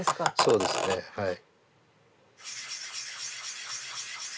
そうですねはい。